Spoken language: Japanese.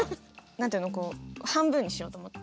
何て言うの半分にしようと思って。